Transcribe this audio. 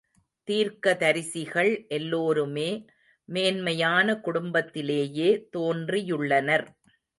தீர்க்கதரிசிகள் எல்லோருமே மேன்மையான குடும்பத்திலேயே தோன்றியுள்ளனர்.